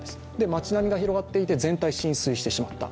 町並みが広がっていて、全体が浸水してしまった。